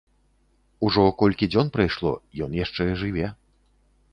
Ужо колькі дзён прайшло, ён яшчэ жыве.